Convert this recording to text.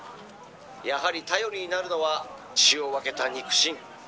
「やはり頼りになるのは血を分けた肉親。